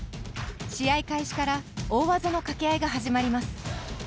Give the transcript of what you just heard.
試合開始から大技の掛け合いが始まります。